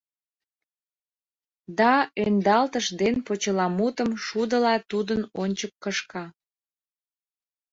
Да ӧндалтыш ден почеламутым шудыла тудын ончык кышка.